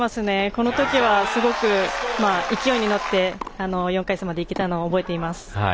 この時は、すごく勢いに乗って４回戦までいけたのを覚えています。